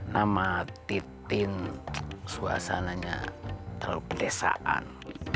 nama titin suasananya terlalu pedesaan